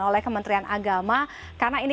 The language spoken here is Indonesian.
pendekatan atau edukasi yang bisa kita lakukan